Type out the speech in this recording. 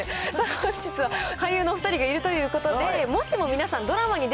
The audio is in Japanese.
本日は俳優のお２人がいるということで、もしも皆さん、ドラマに